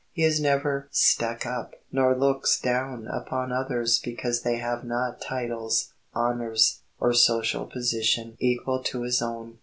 He is never "stuck up," nor looks down upon others because they have not titles, honors, or social position equal to his own.